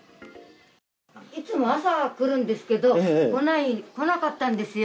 いつも朝来るんですけど、来なかったんですよ。